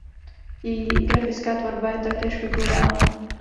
Její grafická tvorba je taktéž figurální.